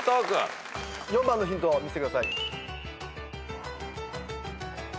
４番のヒント見せてください。